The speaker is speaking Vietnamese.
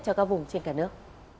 cho các vùng trên cả nước